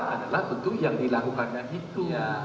adalah tentu yang dilakukannya itu